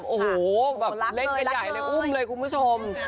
โอ้โหแบบเล่นกันใหญ่เลยอุ้มเลยคุณผู้ชม